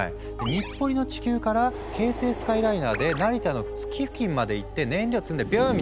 日暮里の地球から京成スカイライナーで成田の月付近まで行って燃料積んでビューン！